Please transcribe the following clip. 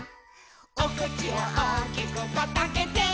「おくちをおおきくパッとあけて」